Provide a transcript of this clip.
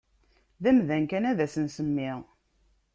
D amdan kan ad s-nsemmi.